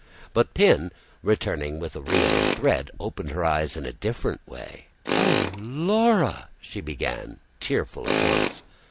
But Pin, returning with the reel of thread, opened her eyes in a different way. "Oh, Laura ...!" she began, tearful at once.